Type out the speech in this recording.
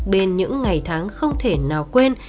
bên những ngày tháng không thể nào quên